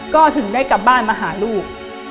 ก็ถึงได้กลับบ้านมาหาลูก